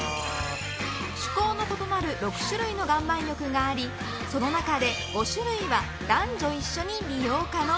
趣向の異なる６種類の岩盤浴がありその中で５種類は男女一緒に利用可能。